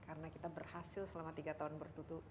karena kita berhasil selama tiga tahun bertutup